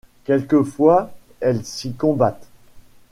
Quelquefois elles s’y combattent.